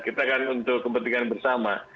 kita kan untuk kepentingan bersama